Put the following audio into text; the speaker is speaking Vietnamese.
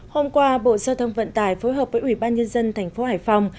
hôm qua bộ giao thông vận tải phối hợp với ủy ban nhân dân tp hải phòng